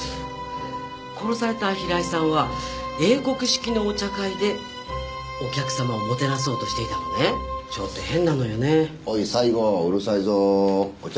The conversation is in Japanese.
殺された平井さんは英国式のお茶会でお客さまをもてなそうとしていたのねちょっと変なのよねおい西郷うるさいぞお茶